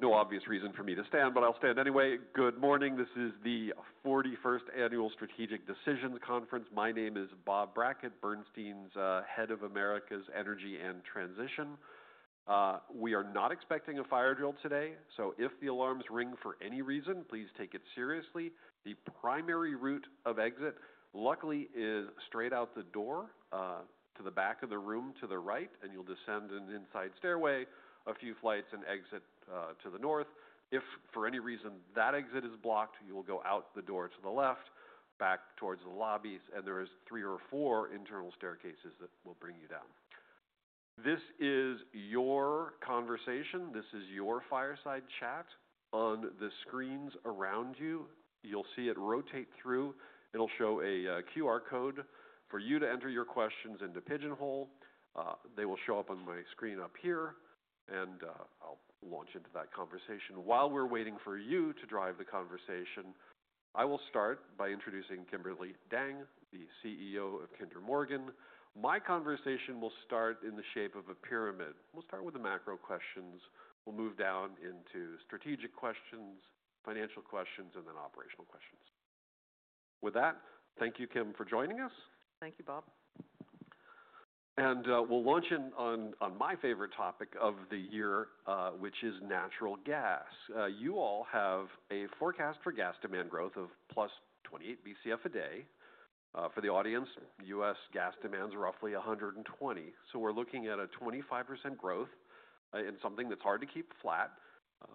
No obvious reason for me to stand, but I'll stand anyway. Good morning, this is the 41st Annual Strategic Decisions Conference. My name is Bob Brackett, Bernstein's Head of America's Energy and Transition. We are not expecting a fire drill today, so if the alarms ring for any reason, please take it seriously. The primary route of exit, luckily, is straight out the door, to the back of the room to the right, and you'll descend an inside stairway a few flights and exit to the north. If, for any reason, that exit is blocked, you'll go out the door to the left, back towards the lobby, and there are three or four internal staircases that will bring you down. This is your conversation; this is your fireside chat. On the screens around you, you'll see it rotate through. It'll show a QR code for you to enter your questions into Pigeonhole. They will show up on my screen up here, and I'll launch into that conversation. While we're waiting for you to drive the conversation, I will start by introducing Kimberly Dang, the CEO of Kinder Morgan. My conversation will start in the shape of a pyramid. We'll start with the macro questions. We'll move down into strategic questions, financial questions, and then operational questions. With that, thank you, Kim, for joining us. Thank you, Bob. We'll launch in on my favorite topic of the year, which is natural gas. You all have a forecast for gas demand growth of plus 28 BCF a day. For the audience, U.S. gas demand's roughly 120, so we're looking at a 25% growth in something that's hard to keep flat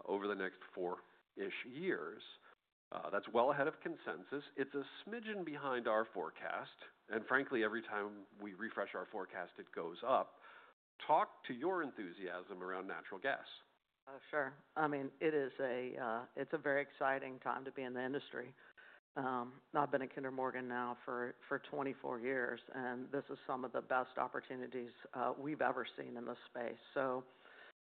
over the next four-ish years. That's well ahead of consensus. It's a smidgen behind our forecast, and frankly, every time we refresh our forecast, it goes up. Talk to your enthusiasm around natural gas. Sure. I mean, it is a, it's a very exciting time to be in the industry. I've been at Kinder Morgan now for 24 years, and this is some of the best opportunities we've ever seen in the space. So, you know,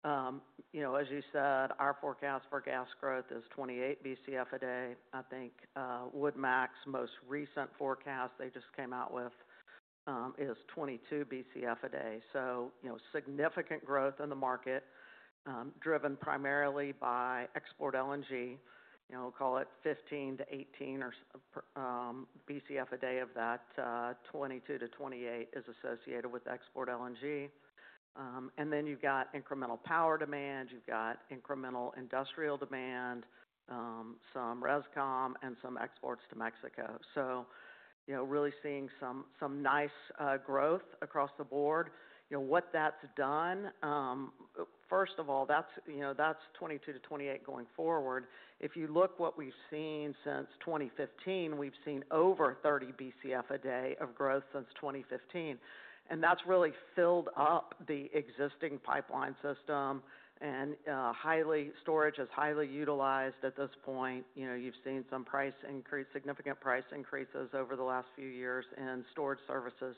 as you said, our forecast for gas growth is 28 BCF a day, I think. Wood Mackenzie's most recent forecast they just came out with is 22 BCF a day. So, you know, significant growth in the market, driven primarily by export LNG. You know, we'll call it 15 BCF-18 BCF a day of that 22-28 is associated with export LNG. And then you've got incremental power demand, you've got incremental industrial demand, some rescom, and some exports to Mexico. So, you know, really seeing some nice growth across the board. You know, what that's done, first of all, that's, you know, that's 22-28 going forward. If you look at what we've seen since 2015, we've seen over 30 BCF a day of growth since 2015, and that's really filled up the existing pipeline system, and storage is highly utilized at this point. You know, you've seen some price increase, significant price increases over the last few years in storage services.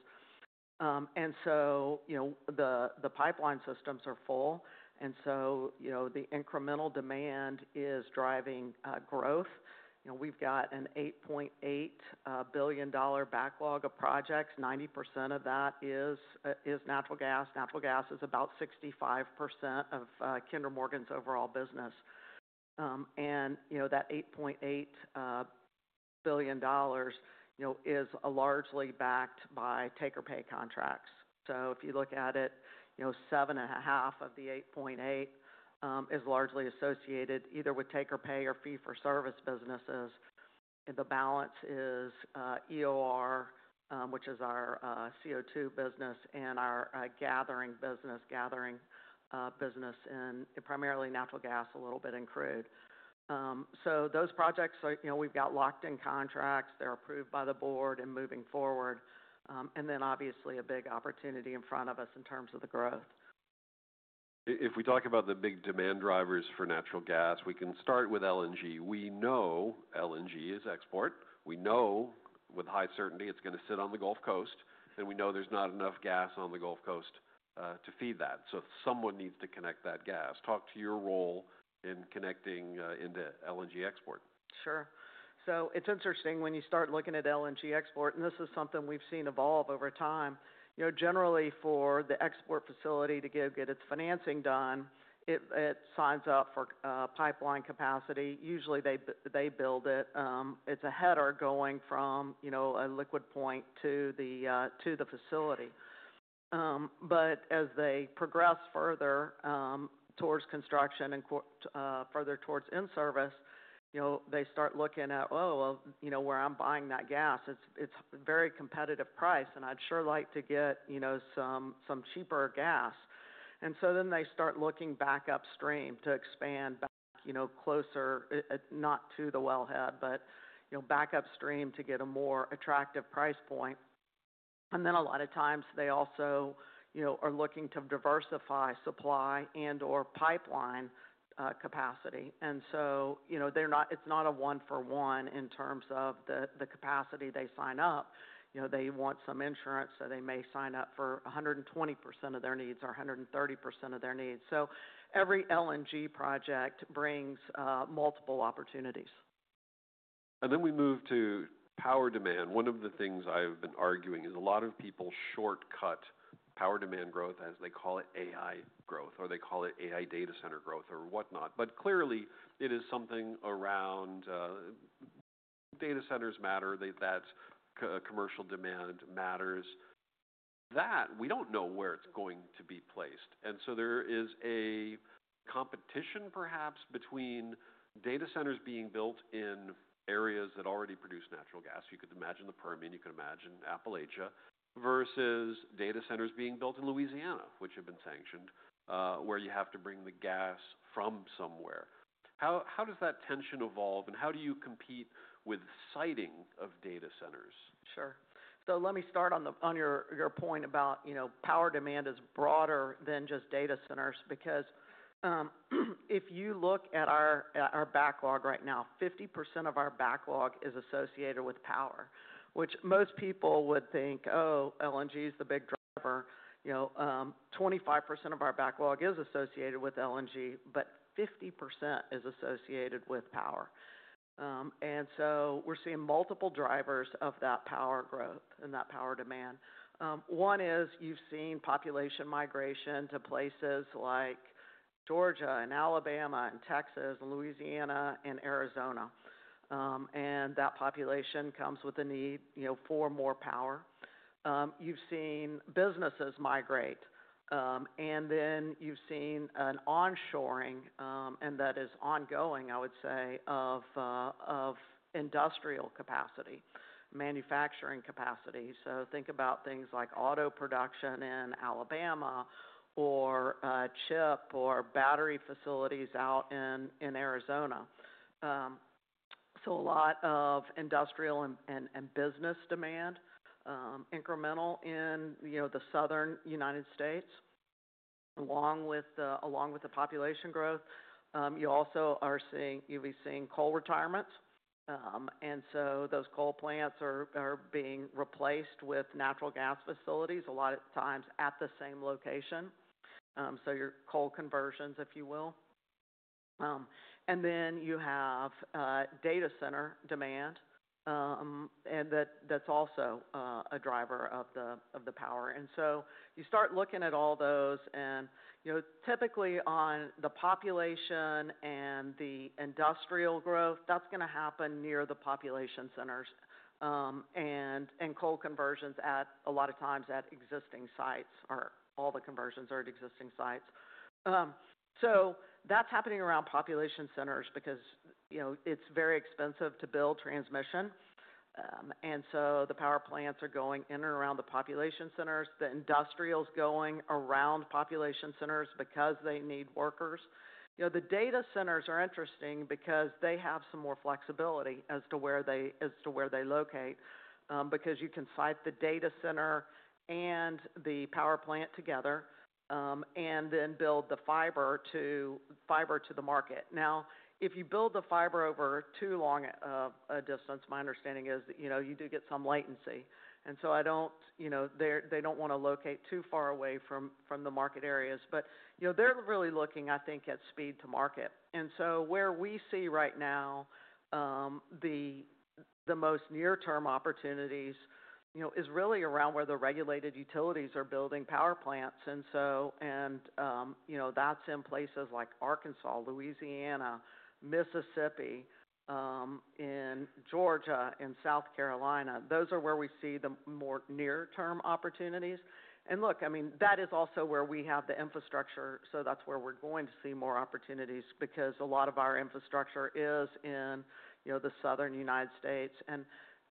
You know, the pipeline systems are full, and so, you know, the incremental demand is driving growth. You know, we've got an $8.8 billion backlog of projects, 90% of that is natural gas. Natural gas is about 65% of Kinder Morgan's overall business. You know, that $8.8 billion is largely backed by take-or-pay contracts. If you look at it, you know, seven and a half of the 8.8 is largely associated either with take-or-pay or fee-for-service businesses. The balance is EOR, which is our CO2 business, and our gathering business, gathering business, and primarily natural gas, a little bit in crude. Those projects are, you know, we've got locked-in contracts, they're approved by the board and moving forward. Obviously a big opportunity in front of us in terms of the growth. If we talk about the big demand drivers for natural gas, we can start with LNG. We know LNG is export. We know with high certainty it's going to sit on the Gulf Coast, and we know there's not enough gas on the Gulf Coast to feed that. Someone needs to connect that gas. Talk to your role in connecting into LNG export. Sure. It's interesting when you start looking at LNG export, and this is something we've seen evolve over time. You know, generally for the export facility to go get its financing done, it signs up for pipeline capacity. Usually they build it. It's a header going from, you know, a liquid point to the facility. As they progress further towards construction and further towards in-service, you know, they start looking at, "Oh, well, you know, where I'm buying that gas, it's a very competitive price, and I'd sure like to get, you know, some cheaper gas." Then they start looking back upstream to expand back, you know, closer, not to the wellhead, but, you know, back upstream to get a more attractive price point. A lot of times they also, you know, are looking to diversify supply and/or pipeline capacity. You know, they're not, it's not a one-for-one in terms of the capacity they sign up. You know, they want some insurance, so they may sign up for 120% of their needs or 130% of their needs. Every LNG project brings multiple opportunities. We move to power demand. One of the things I've been arguing is a lot of people shortcut power demand growth as they call it AI growth, or they call it AI data center growth, or whatnot. Clearly it is something around, data centers matter, that, that, commercial demand matters. We do not know where it's going to be placed. There is a competition perhaps between data centers being built in areas that already produce natural gas. You could imagine the Permian, you could imagine Appalachia, versus data centers being built in Louisiana, which have been sanctioned, where you have to bring the gas from somewhere. How does that tension evolve, and how do you compete with siting of data centers? Sure. Let me start on your point about, you know, power demand is broader than just data centers because, if you look at our backlog right now, 50% of our backlog is associated with power, which most people would think, "Oh, LNG's the big driver." You know, 25% of our backlog is associated with LNG, but 50% is associated with power. We are seeing multiple drivers of that power growth and that power demand. One is you've seen population migration to places like Georgia and Alabama and Texas and Louisiana and Arizona. That population comes with a need, you know, for more power. You've seen businesses migrate, and then you've seen an onshoring, and that is ongoing, I would say, of industrial capacity, manufacturing capacity. Think about things like auto production in Alabama or chip or battery facilities out in Arizona. A lot of industrial and business demand, incremental in the southern United States, along with the population growth. You also are seeing, you'll be seeing coal retirements. Those coal plants are being replaced with natural gas facilities a lot of times at the same location, so your coal conversions, if you will. Then you have data center demand, and that's also a driver of the power. You start looking at all those, and typically on the population and the industrial growth, that's going to happen near the population centers. Coal conversions a lot of times at existing sites or all the conversions are at existing sites. That's happening around population centers because, you know, it's very expensive to build transmission. The power plants are going in and around the population centers, the industrials going around population centers because they need workers. You know, the data centers are interesting because they have some more flexibility as to where they locate, because you can site the data center and the power plant together, and then build the fiber to the market. Now, if you build the fiber over too long a distance, my understanding is that, you know, you do get some latency. I don't, you know, they don't want to locate too far away from the market areas, but, you know, they're really looking, I think, at speed to market. Where we see right now, the most near-term opportunities, you know, is really around where the regulated utilities are building power plants. That is in places like Arkansas, Louisiana, Mississippi, Georgia, South Carolina. Those are where we see the more near-term opportunities. I mean, that is also where we have the infrastructure, so that is where we are going to see more opportunities because a lot of our infrastructure is in the southern United States.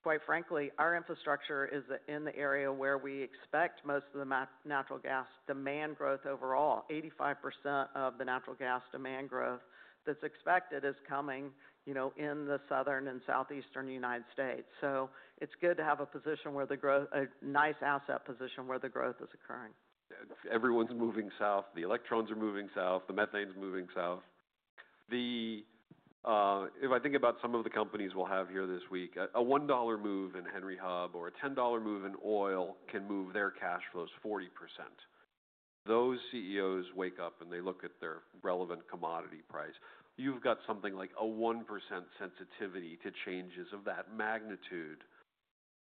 Quite frankly, our infrastructure is in the area where we expect most of the natural gas demand growth overall. 85% of the natural gas demand growth that is expected is coming, you know, in the southern and southeastern United States. It is good to have a position where the growth, a nice asset position where the growth is occurring. Everyone's moving south. The electrons are moving south. The methane's moving south. If I think about some of the companies we'll have here this week, a $1 move in Henry Hub or a $10 move in oil can move their cash flows 40%. Those CEOs wake up and they look at their relevant commodity price. You've got something like a 1% sensitivity to changes of that magnitude.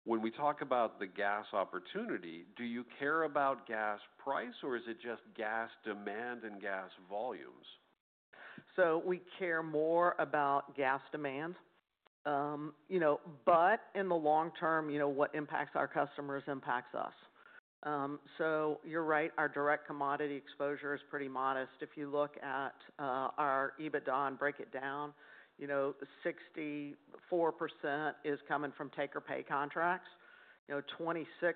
When we talk about the gas opportunity, do you care about gas price or is it just gas demand and gas volumes? We care more about gas demand, you know, but in the long term, you know, what impacts our customers impacts us. You're right, our direct commodity exposure is pretty modest. If you look at our EBITDA and break it down, 64% is coming from take-or-pay contracts. You know, 26%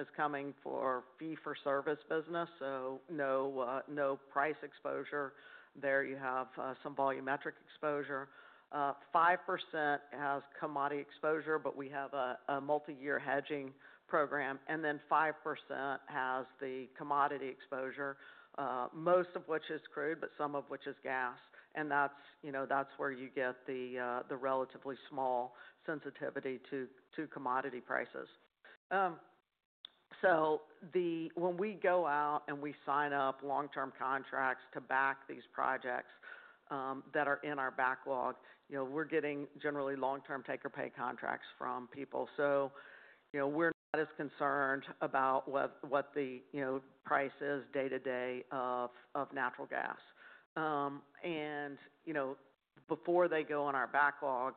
is coming from fee-for-service business, so no, no price exposure. There you have some volumetric exposure. 5% has commodity exposure, but we have a multi-year hedging program, and then 5% has the commodity exposure, most of which is crude, but some of which is gas. That's where you get the relatively small sensitivity to commodity prices. When we go out and we sign up long-term contracts to back these projects that are in our backlog, we're getting generally long-term take-or-pay contracts from people. You know, we're not as concerned about what the, you know, price is day-to-day of natural gas. And, you know, before they go on our backlog,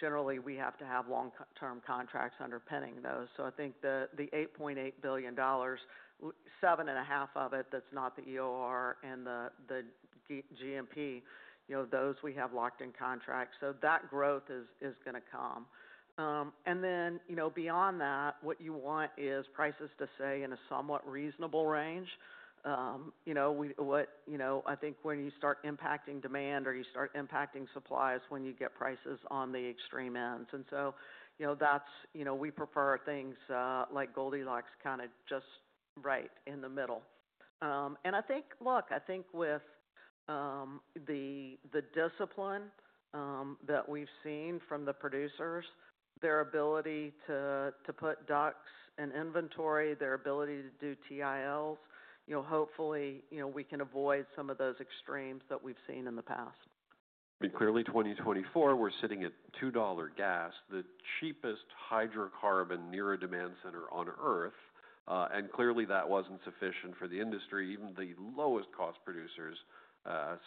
generally we have to have long-term contracts underpinning those. I think the $8.8 billion, seven and a half of it, that's not the EOR and the GMP, those we have locked-in contracts. That growth is going to come. And then, you know, beyond that, what you want is prices to stay in a somewhat reasonable range. You know, I think when you start impacting demand or you start impacting supply is when you get prices on the extreme ends. We prefer things, like Goldilocks, kind of just right in the middle. I think, look, I think with the discipline that we've seen from the producers, their ability to put ducks in inventory, their ability to do TILs, you know, hopefully, you know, we can avoid some of those extremes that we've seen in the past. I mean, clearly 2024, we're sitting at $2 gas, the cheapest hydrocarbon near a demand center on earth. And clearly that wasn't sufficient for the industry. Even the lowest cost producers,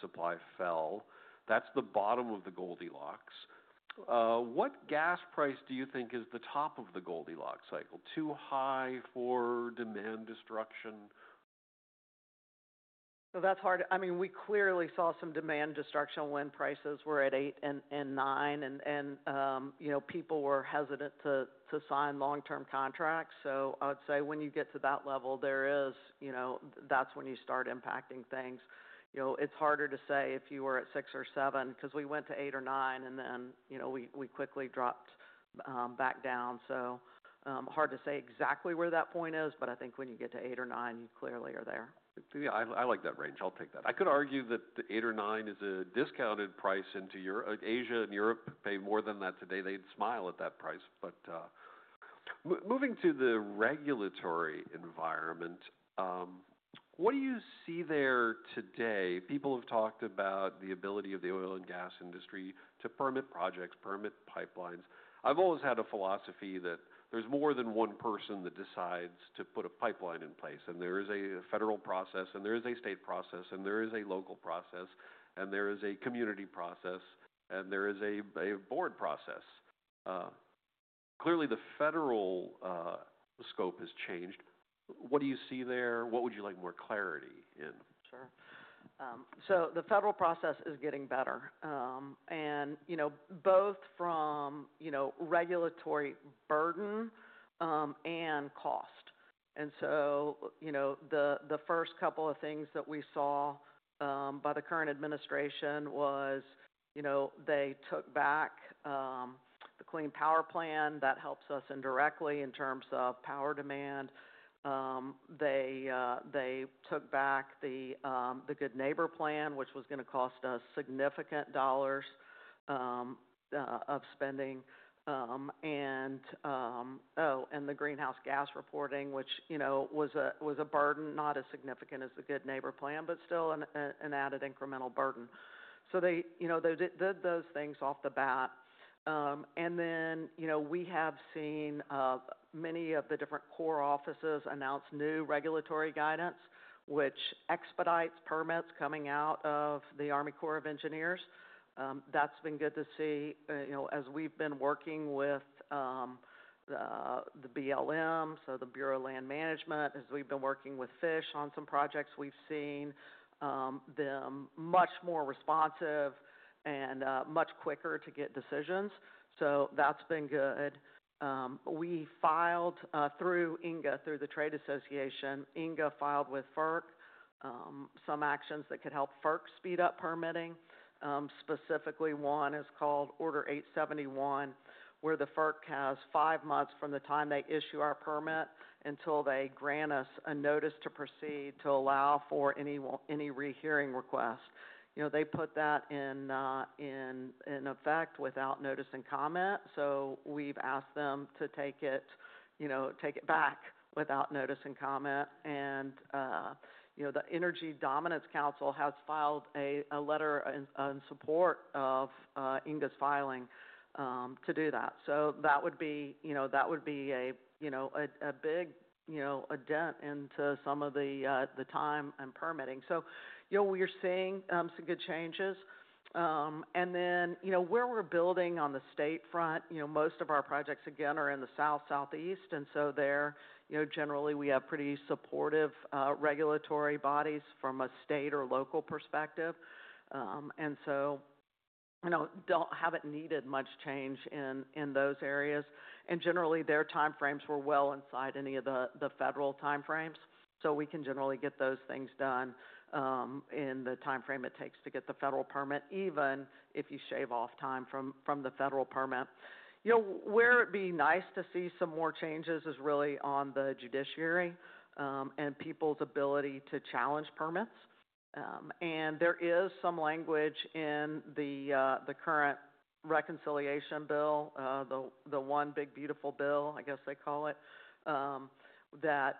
supply fell. That's the bottom of the Goldilocks. What gas price do you think is the top of the Goldilocks cycle? Too high for demand destruction? That's hard. I mean, we clearly saw some demand destruction when prices were at eight and nine, and, you know, people were hesitant to sign long-term contracts. I would say when you get to that level, there is, you know, that's when you start impacting things. You know, it's harder to say if you were at six or seven because we went to eight or nine and then, you know, we quickly dropped back down. Hard to say exactly where that point is, but I think when you get to eight or nine, you clearly are there. Yeah, I like that range. I'll take that. I could argue that the eight or nine is a discounted price into Europe. Asia and Europe pay more than that today. They'd smile at that price, but, moving to the regulatory environment, what do you see there today? People have talked about the ability of the oil and gas industry to permit projects, permit pipelines. I've always had a philosophy that there's more than one person that decides to put a pipeline in place, and there is a federal process, and there is a state process, and there is a local process, and there is a community process, and there is a board process. Clearly the federal scope has changed. What do you see there? What would you like more clarity in? Sure. The federal process is getting better, and, you know, both from, you know, regulatory burden and cost. The first couple of things that we saw by the current administration was, you know, they took back the Clean Power Plan. That helps us indirectly in terms of power demand. They took back the Good Neighbor Plan, which was going to cost us significant dollars of spending. Oh, and the greenhouse gas reporting, which, you know, was a burden, not as significant as the Good Neighbor Plan, but still an added incremental burden. They did those things off the bat. We have seen many of the different Corps offices announce new regulatory guidance, which expedites permits coming out of the Army Corps of Engineers. That's been good to see, you know, as we've been working with the BLM, so the Bureau of Land Management, as we've been working with Fish on some projects, we've seen them much more responsive and much quicker to get decisions. That's been good. We filed, through INGAA, through the trade association, INGAA filed with FERC some actions that could help FERC speed up permitting. Specifically, one is called Order 871, where the FERC has five months from the time they issue our permit until they grant us a notice to proceed to allow for any rehearing request. You know, they put that in effect without notice and comment. We've asked them to take it back without notice and comment. You know, the Energy Dominance Council has filed a letter in support of INGAA's filing to do that. That would be a big dent into some of the time and permitting. You know, we're seeing some good changes. Where we're building on the state front, most of our projects again are in the South, Southeast. There, generally we have pretty supportive regulatory bodies from a state or local perspective. You know, we have not needed much change in those areas. Generally, their timeframes were well inside any of the federal timeframes. We can generally get those things done in the timeframe it takes to get the federal permit, even if you shave off time from the federal permit. You know, where it'd be nice to see some more changes is really on the judiciary, and people's ability to challenge permits. There is some language in the current reconciliation bill, the one big beautiful bill, I guess they call it, that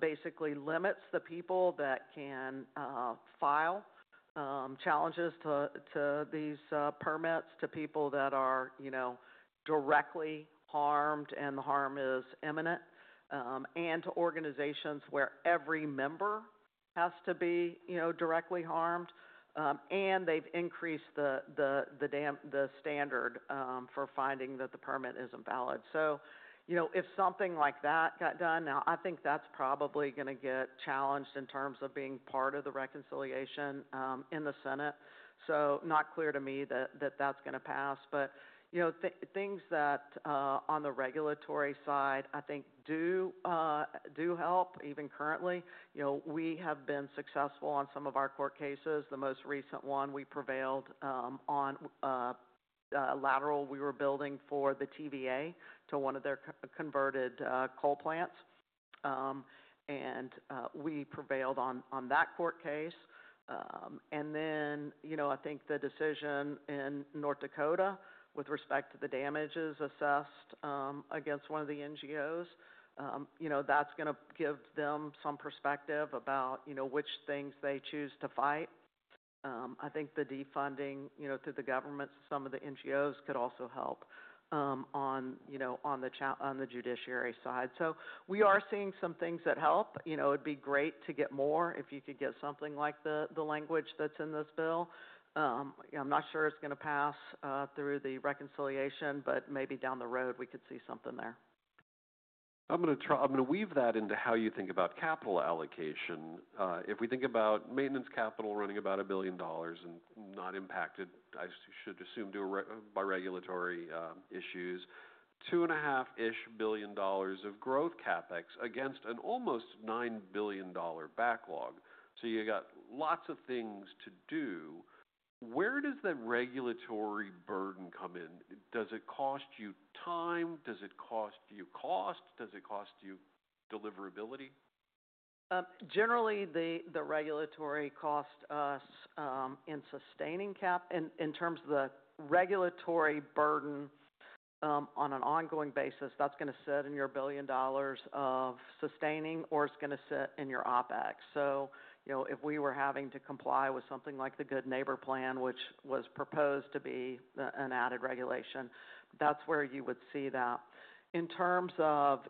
basically limits the people that can file challenges to these permits to people that are, you know, directly harmed and the harm is imminent, and to organizations where every member has to be, you know, directly harmed. They have increased the standard for finding that the permit is invalid. You know, if something like that got done, I think that's probably going to get challenged in terms of being part of the reconciliation in the Senate. Not clear to me that that's going to pass. You know, things that, on the regulatory side, I think do help even currently. You know, we have been successful on some of our court cases. The most recent one we prevailed on, lateral we were building for the TVA to one of their converted coal plants. We prevailed on that court case. You know, I think the decision in North Dakota with respect to the damages assessed against one of the NGOs, that's going to give them some perspective about which things they choose to fight. I think the defunding, you know, to the governments, some of the NGOs could also help, on, you know, on the, on the judiciary side. So we are seeing some things that help. You know, it'd be great to get more if you could get something like the, the language that's in this bill. I'm not sure it's going to pass, through the reconciliation, but maybe down the road we could see something there. I'm going to try, I'm going to weave that into how you think about capital allocation. If we think about maintenance capital running about $1 billion and not impacted, I should assume, due to regulatory issues, $2.5 billion of growth CapEx against an almost $9 billion backlog. So you got lots of things to do. Where does that regulatory burden come in? Does it cost you time? Does it cost you cost? Does it cost you deliverability? Generally, the regulatory cost, in sustaining CapEx, in terms of the regulatory burden on an ongoing basis, that's going to sit in your $1 billion of sustaining or it's going to sit in your OpEx. You know, if we were having to comply with something like the Good Neighbor Plan, which was proposed to be an added regulation, that's where you would see that. In terms of,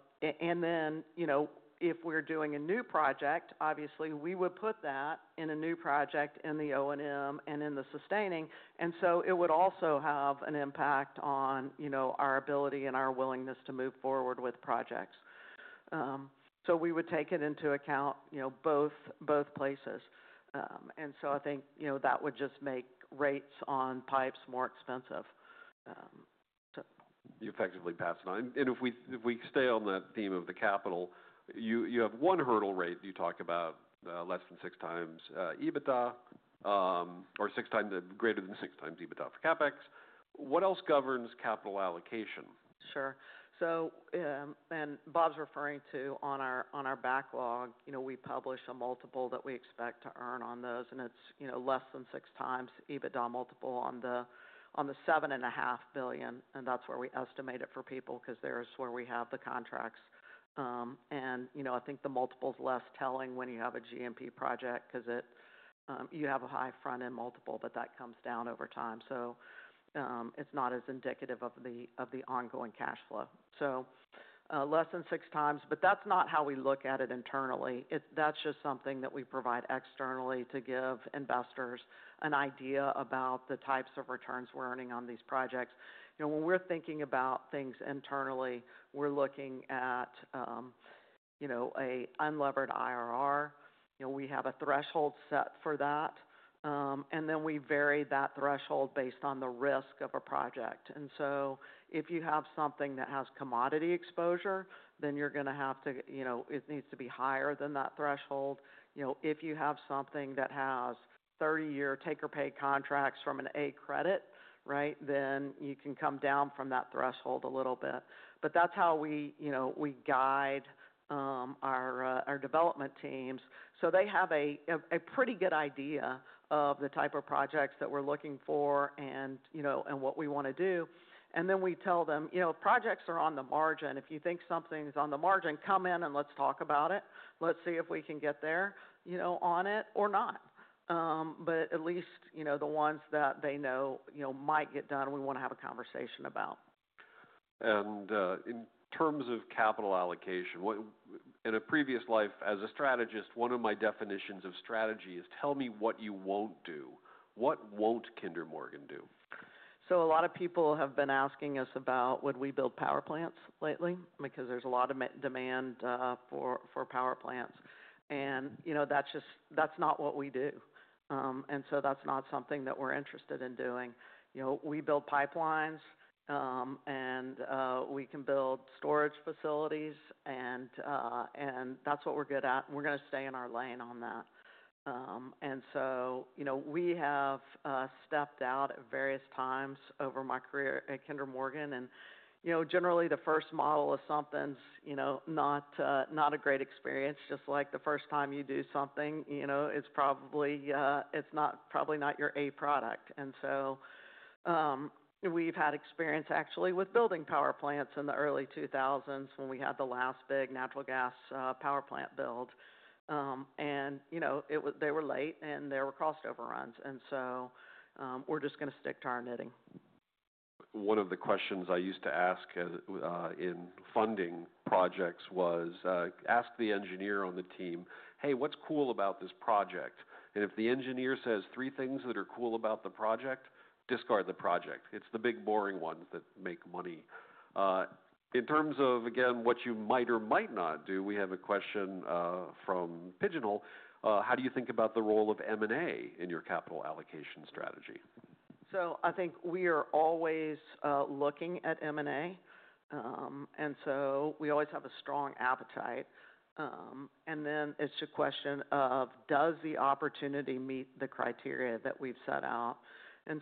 and then, you know, if we're doing a new project, obviously we would put that in a new project in the O&M and in the sustaining. It would also have an impact on our ability and our willingness to move forward with projects. We would take it into account, you know, both places. I think, you know, that would just make rates on pipes more expensive. You effectively pass it on. If we stay on that theme of the capital, you have one hurdle rate you talk about, less than six times EBITDA, or six times, greater than six times EBITDA for CapEx. What else governs capital allocation? Sure. Bob's referring to, on our backlog, we publish a multiple that we expect to earn on those, and it's less than six times EBITDA multiple on the $7.5 billion. That's where we estimate it for people because that's where we have the contracts. I think the multiple's less telling when you have a GMP project because you have a high front-end multiple, but that comes down over time. It's not as indicative of the ongoing cash flow. Less than six times, but that's not how we look at it internally. That's just something that we provide externally to give investors an idea about the types of returns we're earning on these projects. You know, when we're thinking about things internally, we're looking at, you know, an unlevered IRR. You know, we have a threshold set for that, and then we vary that threshold based on the risk of a project. If you have something that has commodity exposure, then you're going to have to, you know, it needs to be higher than that threshold. You know, if you have something that has 30-year take-or-pay contracts from an A credit, right, then you can come down from that threshold a little bit. That is how we, you know, we guide our development teams. They have a pretty good idea of the type of projects that we're looking for and, you know, what we want to do. We tell them, you know, projects are on the margin. If you think something's on the margin, come in and let's talk about it. Let's see if we can get there, you know, on it or not. At least, you know, the ones that they know, you know, might get done, we want to have a conversation about. In terms of capital allocation, what, in a previous life as a strategist, one of my definitions of strategy is tell me what you won't do. What won't Kinder Morgan do? A lot of people have been asking us about, would we build power plants lately? Because there's a lot of demand for power plants. You know, that's just, that's not what we do, and so that's not something that we're interested in doing. You know, we build pipelines, and we can build storage facilities, and that's what we're good at. We're going to stay in our lane on that. You know, we have stepped out at various times over my career at Kinder Morgan. You know, generally the first model of something's, you know, not a great experience, just like the first time you do something, you know, it's probably not your A product. We've had experience actually with building power plants in the early 2000s when we had the last big natural gas power plant build. and, you know, it was, they were late and there were cost overruns. We are just going to stick to our knitting. One of the questions I used to ask, in funding projects was, ask the engineer on the team, hey, what's cool about this project? And if the engineer says three things that are cool about the project, discard the project. It's the big boring ones that make money. In terms of, again, what you might or might not do, we have a question, from Pigeonhole. How do you think about the role of M&A in your capital allocation strategy? I think we are always looking at M&A, and so we always have a strong appetite. It is a question of does the opportunity meet the criteria that we have set out?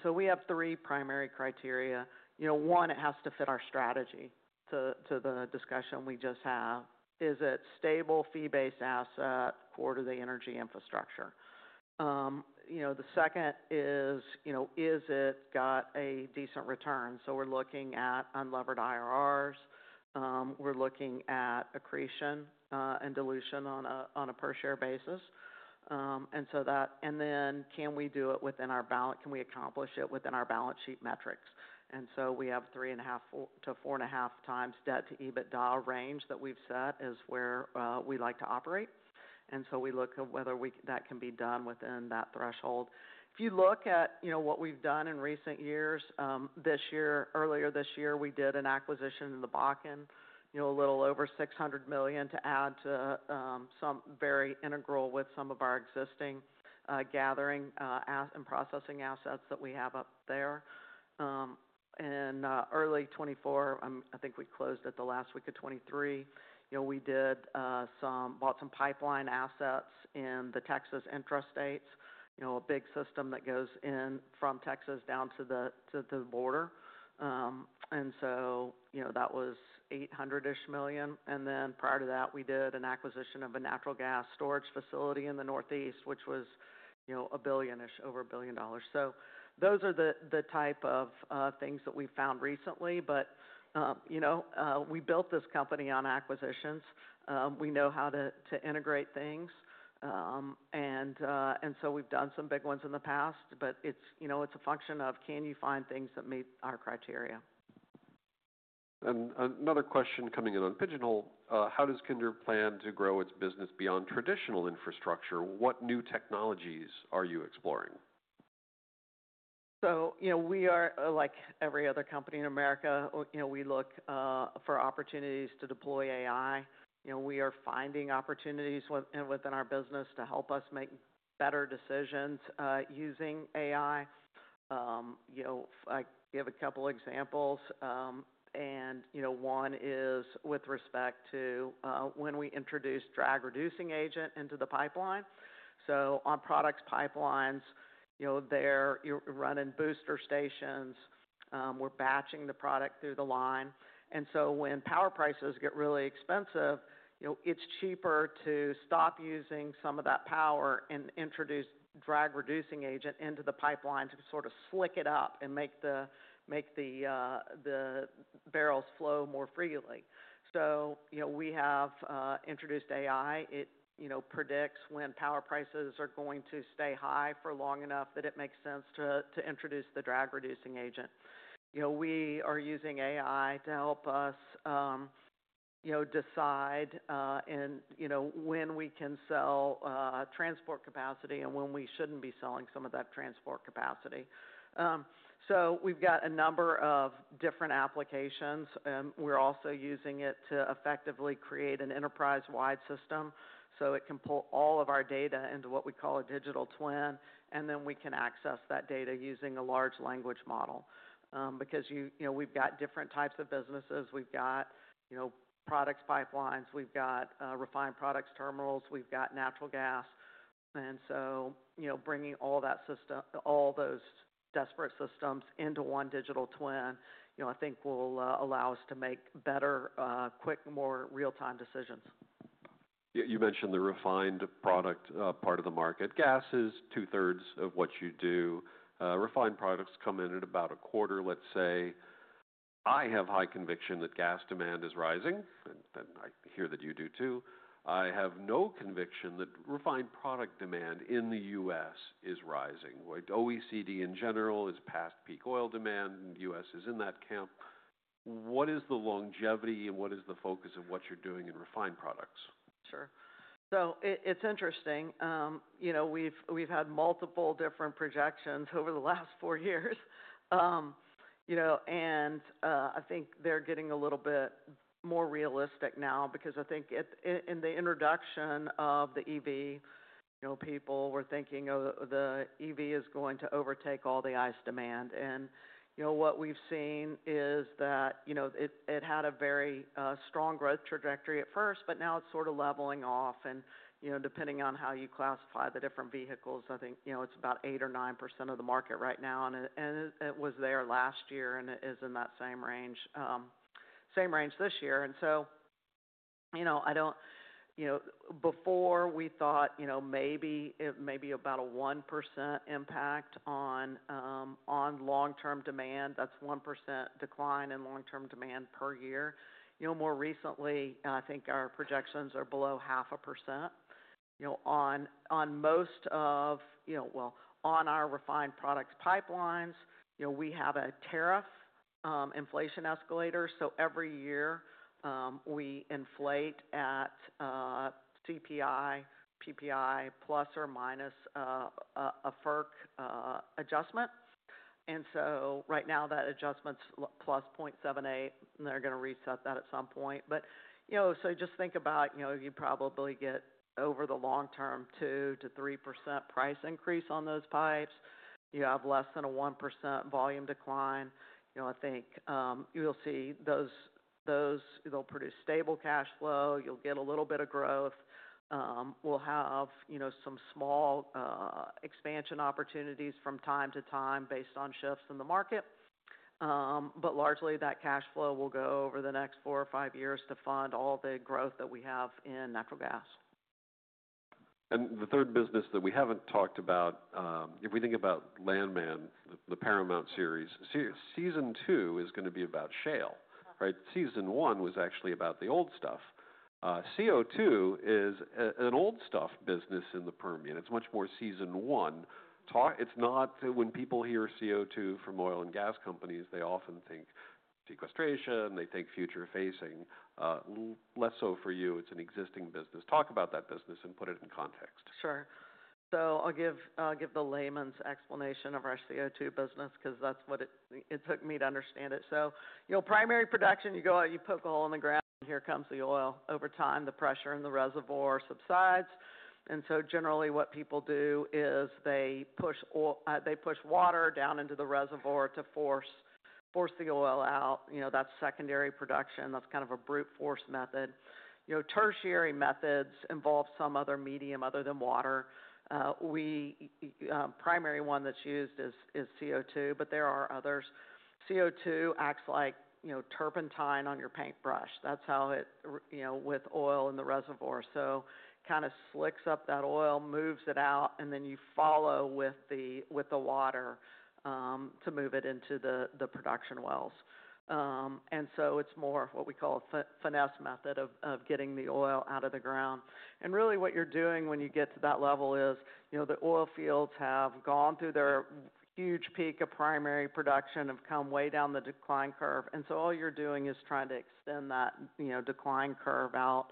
We have three primary criteria. You know, one, it has to fit our strategy to, to the discussion we just have. Is it a stable fee-based asset, core to the energy infrastructure? You know, the second is, you know, has it got a decent return? We are looking at unlevered IRRs, we are looking at accretion and dilution on a per share basis, and then can we do it within our balance? Can we accomplish it within our balance sheet metrics? We have 3.5 times-4.5 times debt to EBITDA range that we have set as where we like to operate. We look at whether that can be done within that threshold. If you look at, you know, what we've done in recent years, this year, earlier this year, we did an acquisition in the Bakken, you know, a little over $600 million to add to some very integral, with some of our existing gathering and processing assets that we have up there. Early 2024, I think we closed at the last week of 2023, you know, we bought some pipeline assets in the Texas interstates, you know, a big system that goes in from Texas down to the border, and so, you know, that was $800 million-ish. Prior to that, we did an acquisition of a natural gas storage facility in the Northeast, which was, you know, a billion-ish, over a billion dollars. Those are the type of things that we've found recently. You know, we built this company on acquisitions. We know how to integrate things, and we've done some big ones in the past, but it's a function of can you find things that meet our criteria. Another question coming in on Pigeonhole. How does Kinder plan to grow its business beyond traditional infrastructure? What new technologies are you exploring? You know, we are like every other company in America, you know, we look for opportunities to deploy AI. You know, we are finding opportunities within our business to help us make better decisions, using AI. You know, I give a couple of examples. You know, one is with respect to when we introduced drag-reducing agent into the pipeline. On products pipelines, you know, they are running booster stations. We are batching the product through the line. When power prices get really expensive, you know, it is cheaper to stop using some of that power and introduce drag-reducing agent into the pipeline to sort of slick it up and make the barrels flow more freely. You know, we have introduced AI. It, you know, predicts when power prices are going to stay high for long enough that it makes sense to introduce the drag-reducing agent. You know, we are using AI to help us, you know, decide, and, you know, when we can sell transport capacity and when we should not be selling some of that transport capacity. We have got a number of different applications. We are also using it to effectively create an enterprise-wide system. It can pull all of our data into what we call a digital twin. We can access that data using a large language model because, you know, we have got different types of businesses. We have got products pipelines. We have got refined products terminals. We have got natural gas. You know, bringing all that system, all those disparate systems into one digital twin, you know, I think will allow us to make better, quick, more real-time decisions. You mentioned the refined product part of the market. Gas is two-thirds of what you do. Refined products come in at about a quarter, let's say. I have high conviction that gas demand is rising. I hear that you do too. I have no conviction that refined product demand in the U.S. is rising. OECD in general is past peak oil demand. The U.S. is in that camp. What is the longevity and what is the focus of what you're doing in refined products? Sure. It is interesting. You know, we have had multiple different projections over the last four years. You know, I think they are getting a little bit more realistic now because I think in the introduction of the EV, you know, people were thinking, oh, the EV is going to overtake all the ICE demand. You know, what we have seen is that, you know, it had a very strong growth trajectory at first, but now it is sort of leveling off. You know, depending on how you classify the different vehicles, I think, you know, it is about 8% or 9% of the market right now. It was there last year and it is in that same range this year. You know, I do not, you know, before we thought, you know, maybe it may be about a 1% impact on long-term demand. That is 1% decline in long-term demand per year. You know, more recently, I think our projections are below half a percent, you know, on most of, you know, well, on our refined products pipelines, you know, we have a tariff, inflation escalator. Every year, we inflate at CPI, PPI, + or - a FERC adjustment. Right now that adjustment is +0.78 and they are going to reset that at some point. You know, just think about, you probably get over the long-term 2%-3% price increase on those pipes. You have less than a 1% volume decline. You know, I think you will see those, those, they will produce stable cash flow. You will get a little bit of growth. we'll have, you know, some small, expansion opportunities from time to time based on shifts in the market. but largely that cash flow will go over the next four years or five years to fund all the growth that we have in natural gas. The third business that we haven't talked about, if we think about Landman, the Paramount series, season two is going to be about shale, right? Season one was actually about the old stuff. CO2 is an old stuff business in the Permian. It's much more season one. It's not when people hear CO2 from oil and gas companies, they often think sequestration, they think future-facing, less so for you. It's an existing business. Talk about that business and put it in context. Sure. I'll give the layman's explanation of our CO2 business because that's what it took me to understand it. You know, primary production, you go out, you poke a hole in the ground and here comes the oil. Over time, the pressure in the reservoir subsides. Generally what people do is they push water down into the reservoir to force the oil out. You know, that's secondary production. That's kind of a brute force method. Tertiary methods involve some other medium other than water. The primary one that's used is CO2, but there are others. CO2 acts like, you know, turpentine on your paintbrush. That's how it, you know, with oil in the reservoir. It kind of slicks up that oil, moves it out, and then you follow with the water to move it into the production wells. It is more what we call a finesse method of getting the oil out of the ground. Really what you are doing when you get to that level is, you know, the oil fields have gone through their huge peak of primary production, have come way down the decline curve. All you are doing is trying to extend that decline curve out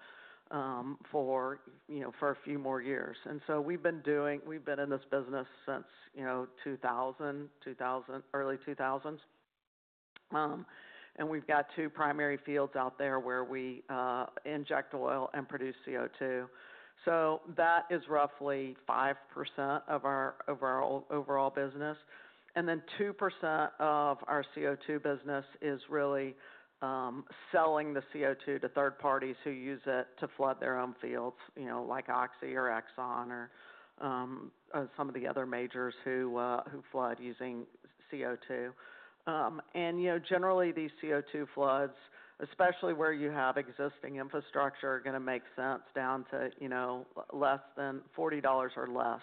for a few more years. We have been in this business since the early 2000s, and we have got two primary fields out there where we inject oil and produce CO2. That is roughly 5% of our overall business. Then 2% of our CO2 business is really selling the CO2 to third parties who use it to flood their own fields, you know, like Oxy or ExxonMobil or some of the other majors who flood using CO2. You know, generally these CO2 floods, especially where you have existing infrastructure, are going to make sense down to, you know, less than $40 or less,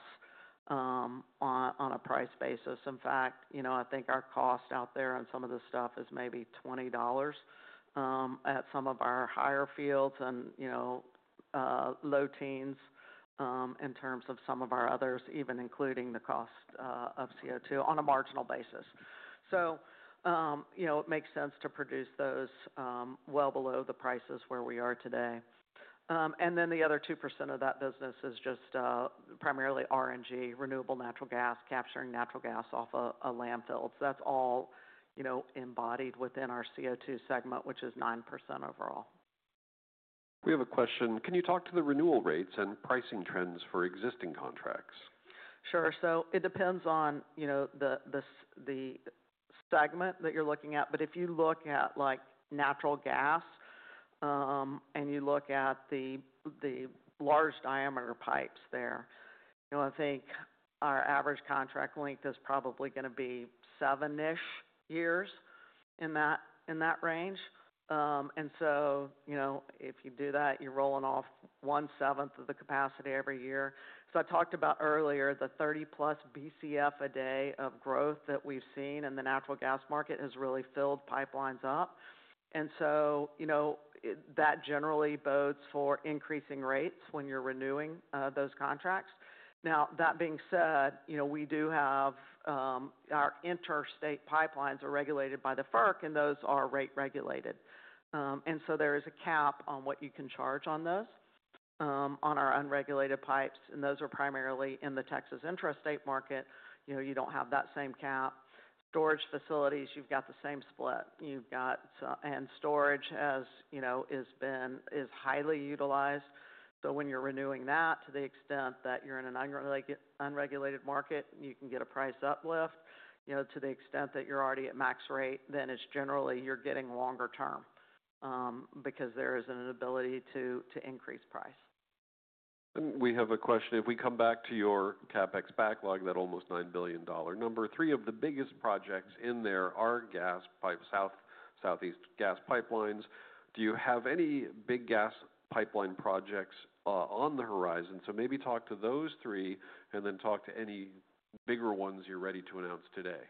on a price basis. In fact, you know, I think our cost out there on some of this stuff is maybe $20 at some of our higher fields and, you know, low teens in terms of some of our others, even including the cost of CO2 on a marginal basis. You know, it makes sense to produce those well below the prices where we are today. and then the other 2% of that business is just, primarily RNG, renewable natural gas, capturing natural gas off of landfills. That's all, you know, embodied within our CO2 segment, which is 9% overall. We have a question. Can you talk to the renewal rates and pricing trends for existing contracts? Sure. It depends on, you know, the segment that you're looking at. If you look at natural gas, and you look at the large diameter pipes there, I think our average contract length is probably going to be seven-ish years in that range. If you do that, you're rolling off one seventh of the capacity every year. I talked about earlier the 30+ BCF a day of growth that we've seen in the natural gas market has really filled pipelines up. That generally bodes for increasing rates when you're renewing those contracts. That being said, we do have our interstate pipelines regulated by the FERC and those are rate regulated. There is a cap on what you can charge on those, on our unregulated pipes. Those are primarily in the Texas interstate market. You know, you do not have that same cap. Storage facilities, you have got the same split. Storage has been, is highly utilized. When you are renewing that, to the extent that you are in an unregulated market, you can get a price uplift. To the extent that you are already at max rate, then generally you are getting longer term, because there is an ability to increase price. We have a question. If we come back to your CapEx backlog, that almost $9 billion number, three of the biggest projects in there are gas pipes, south, southeast gas pipelines. Do you have any big gas pipeline projects on the horizon? Maybe talk to those three and then talk to any bigger ones you are ready to announce today.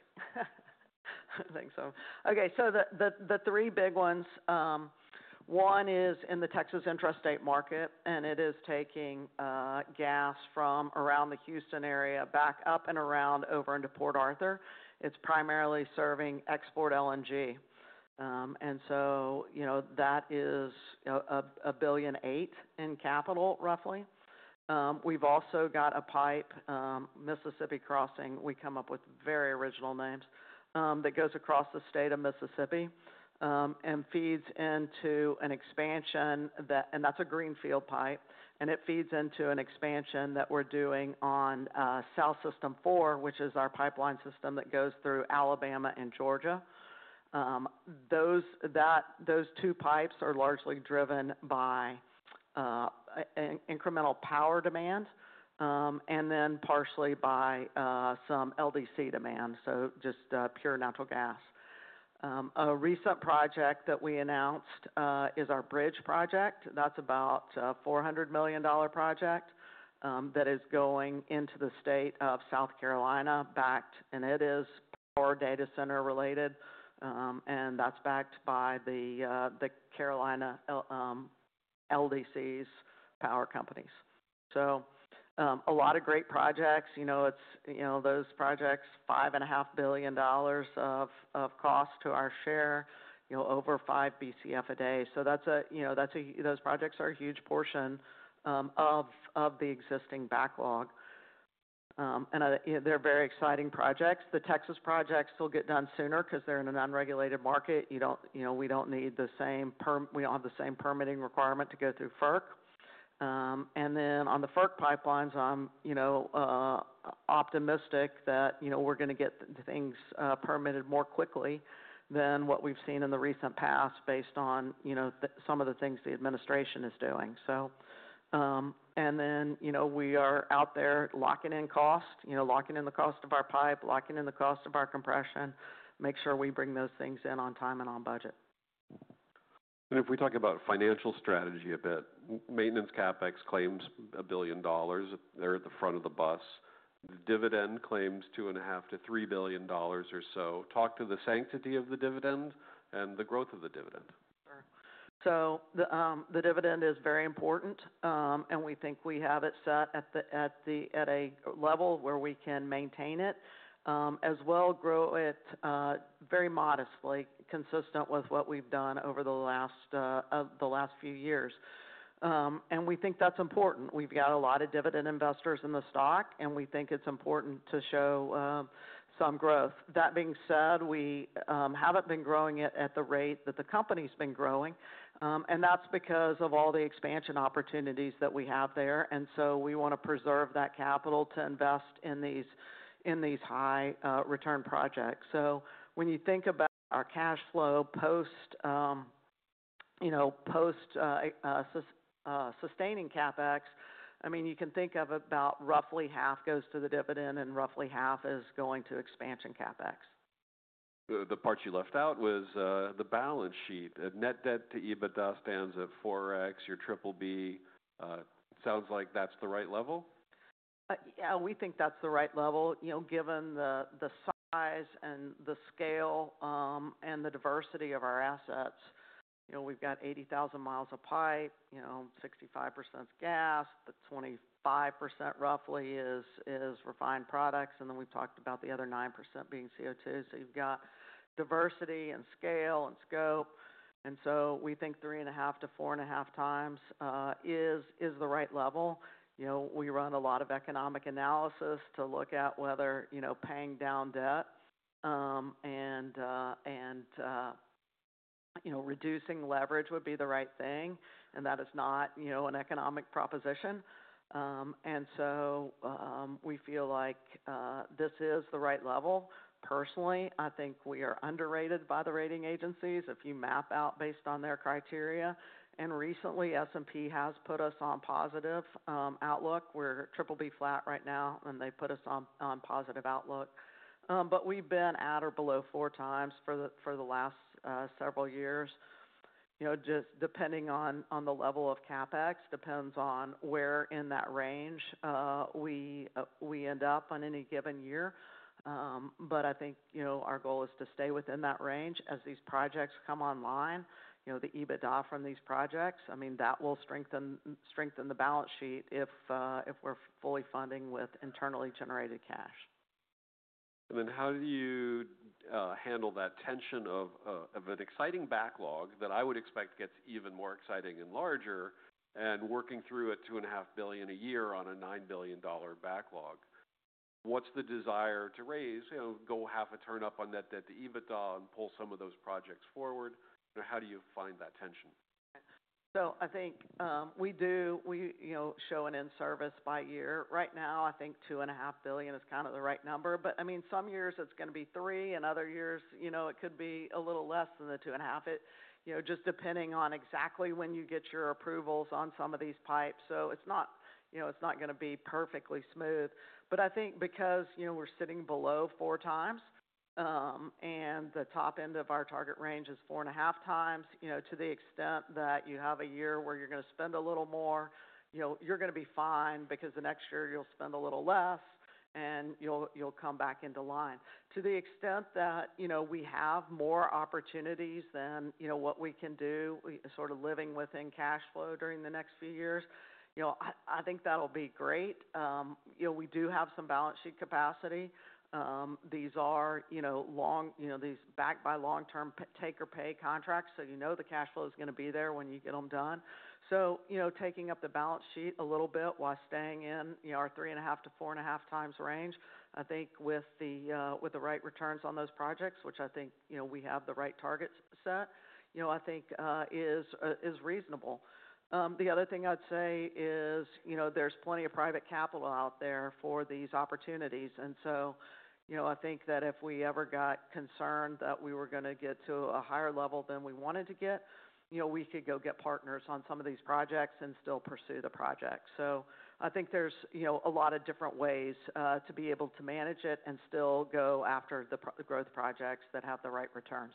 I think so. Okay. The three big ones, one is in the Texas interstate market and it is taking gas from around the Houston area back up and around over into Port Arthur. It's primarily serving export LNG, and so, you know, that is a billion eight in capital roughly. We've also got a pipe, Mississippi Crossing. We come up with very original names, that goes across the state of Mississippi and feeds into an expansion that, and that's a greenfield pipe. It feeds into an expansion that we're doing on South System Four, which is our pipeline system that goes through Alabama and Georgia. Those two pipes are largely driven by incremental power demand, and then partially by some LDC demand. So just pure natural gas. A recent project that we announced is our bridge project. That's about a $400 million project that is going into the state of South Carolina, and it is power data center related. That's backed by the Carolina LDCs, power companies. A lot of great projects, you know, it's, you know, those projects, $5.5 billion of cost to our share, you know, over 5 BCF a day. That's a, you know, that's a, those projects are a huge portion of the existing backlog. They're very exciting projects. The Texas projects will get done sooner because they're in an unregulated market. You don't, you know, we don't need the same perm, we don't have the same permitting requirement to go through FERC. On the FERC pipelines, I'm, you know, optimistic that, you know, we're going to get things permitted more quickly than what we've seen in the recent past based on, you know, some of the things the administration is doing. We are out there locking in cost, you know, locking in the cost of our pipe, locking in the cost of our compression, make sure we bring those things in on time and on budget. If we talk about financial strategy a bit, maintenance CapEx claims $1 billion. They are at the front of the bus. The dividend claims $2.5 billion-$3 billion or so. Talk to the sanctity of the dividend and the growth of the dividend. The dividend is very important, and we think we have it set at a level where we can maintain it, as well as grow it very modestly, consistent with what we've done over the last few years. We think that's important. We've got a lot of dividend investors in the stock and we think it's important to show some growth. That being said, we haven't been growing it at the rate that the company's been growing, and that's because of all the expansion opportunities that we have there. We want to preserve that capital to invest in these high-return projects. When you think about our cash flow post, you know, post-sustaining CapEx, I mean, you can think of about roughly half goes to the dividend and roughly half is going to expansion CapEx. The part you left out was, the balance sheet. Net debt to EBITDA stands at 4x, your triple B. Sounds like that's the right level. Yeah, we think that's the right level. You know, given the size and the scale, and the diversity of our assets, you know, we've got 80,000 mi of pipe, you know, 65% gas, the 25% roughly is refined products. And then we've talked about the other 9% being CO2. So you've got diversity and scale and scope. And so we think three and a half to four and a half times is the right level. You know, we run a lot of economic analysis to look at whether, you know, paying down debt, and, and, you know, reducing leverage would be the right thing. And that is not, you know, an economic proposition. And so, we feel like this is the right level. Personally, I think we are underrated by the rating agencies if you map out based on their criteria. Recently S&P has put us on positive outlook. We're triple B flat right now and they put us on positive outlook. We've been at or below four times for the last several years. You know, just depending on the level of CapEx depends on where in that range we end up on any given year. I think, you know, our goal is to stay within that range as these projects come online. You know, the EBITDA from these projects, I mean, that will strengthen the balance sheet if we're fully funding with internally generated cash. How do you handle that tension of an exciting backlog that I would expect gets even more exciting and larger and working through it $2.5 billion a year on a $9 billion backlog? What's the desire to raise, you know, go half a turn up on net debt to EBITDA and pull some of those projects forward? How do you find that tension? I think we do, you know, show an in-service by year. Right now, I think $2.5 billion is kind of the right number. I mean, some years it is going to be $3 billion and other years, you know, it could be a little less than the $2.5 billion. It, you know, just depends on exactly when you get your approvals on some of these pipes. It is not, you know, it is not going to be perfectly smooth. I think because, you know, we're sitting below four times, and the top end of our target range is four and a half times, you know, to the extent that you have a year where you're going to spend a little more, you know, you're going to be fine because the next year you'll spend a little less and you'll come back into line. To the extent that, you know, we have more opportunities than, you know, what we can do, we sort of living within cash flow during the next few years, you know, I think that'll be great. You know, we do have some balance sheet capacity. These are, you know, long, you know, these backed by long-term take-or-pay contracts. So, you know, the cash flow is going to be there when you get them done. You know, taking up the balance sheet a little bit while staying in our three and a half to four and a half times range, I think with the right returns on those projects, which I think, you know, we have the right targets set, I think, is reasonable. The other thing I'd say is, you know, there's plenty of private capital out there for these opportunities. You know, I think that if we ever got concerned that we were going to get to a higher level than we wanted to get, you know, we could go get partners on some of these projects and still pursue the project. I think there's a lot of different ways to be able to manage it and still go after the growth projects that have the right returns.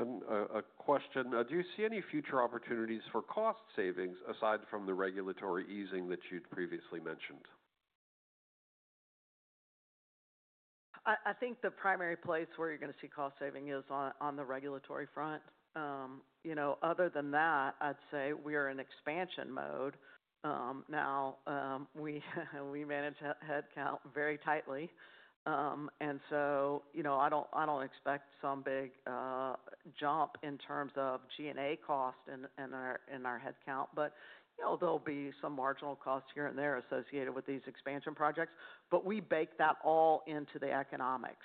Do you see any future opportunities for cost savings aside from the regulatory easing that you'd previously mentioned? I think the primary place where you're going to see cost saving is on, on the regulatory front. You know, other than that, I'd say we are in expansion mode. Now, we manage headcount very tightly. And so, you know, I don't, I don't expect some big jump in terms of G&A cost and, and our, and our headcount, but, you know, there'll be some marginal cost here and there associated with these expansion projects, but we bake that all into the economics.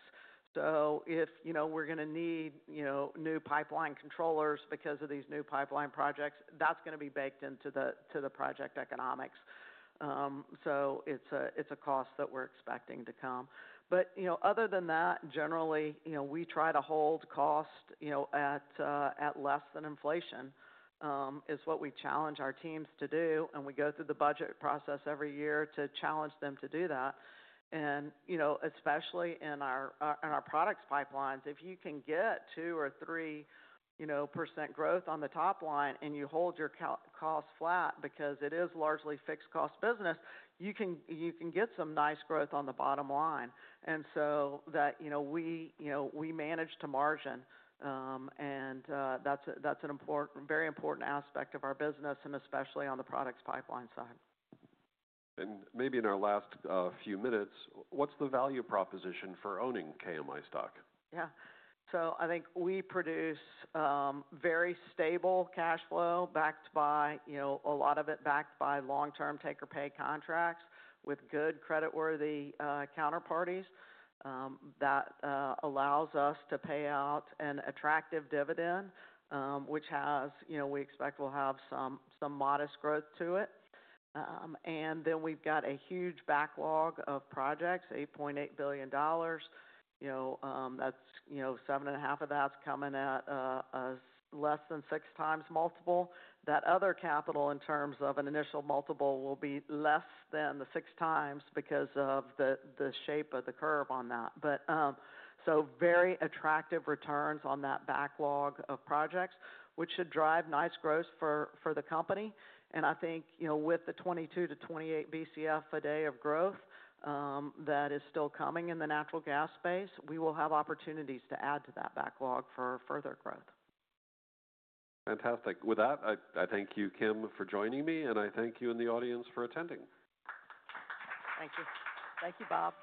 So if, you know, we're going to need, you know, new pipeline controllers because of these new pipeline projects, that's going to be baked into the, to the project economics. So it's a, it's a cost that we're expecting to come. You know, other than that, generally, you know, we try to hold cost at less than inflation, is what we challenge our teams to do. We go through the budget process every year to challenge them to do that. You know, especially in our products pipelines, if you can get 2% or 3% growth on the top line and you hold your cost flat because it is largely a fixed cost business, you can get some nice growth on the bottom line. You know, we manage to margin. That is an important, very important aspect of our business and especially on the products pipeline side. Maybe in our last few minutes, what's the value proposition for owning KMI stock? Yeah. So I think we produce very stable cash flow backed by, you know, a lot of it backed by long-term take-or-pay contracts with good creditworthy counterparties. That allows us to pay out an attractive dividend, which has, you know, we expect we'll have some modest growth to it. And then we've got a huge backlog of projects, $8.8 billion, you know, that's, you know, seven and a half of that's coming at a less than six times multiple. That other capital in terms of an initial multiple will be less than the six times because of the shape of the curve on that. But, so very attractive returns on that backlog of projects, which should drive nice growth for the company. I think, you know, with the 22 BCF-28 BCF a day of growth, that is still coming in the natural gas space, we will have opportunities to add to that backlog for further growth. Fantastic. With that, I thank you, Kim, for joining me. I thank you in the audience for attending. Thank you. Thank you, Bob.